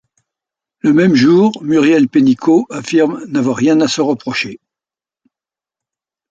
Le même jour, Muriel Pénicaud affirme n'avoir rien à se reprocher.